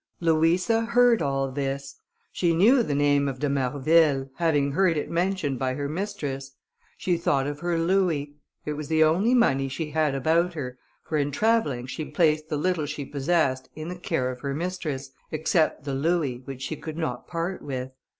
Louisa heard all this; she knew the name of de Marville, having heard it mentioned by her mistress. She thought of her louis; it was the only money she had about her, for in travelling she placed the little she possessed in the care of her mistress, except the louis, which she could not part with.